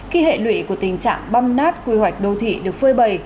khi hệ lụy của tình trạng bong nát quy hoạch đô thị được phơi bầy